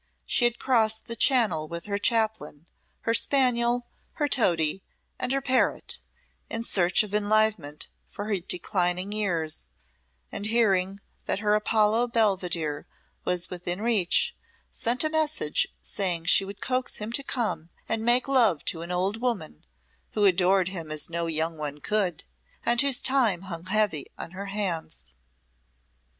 She had crossed the Channel with her Chaplain, her spaniel, her toady, and her parrot, in search of enlivenment for her declining years, and hearing that her Apollo Belvidere was within reach, sent a message saying she would coax him to come and make love to an old woman, who adored him as no young one could, and whose time hung heavy on her hands.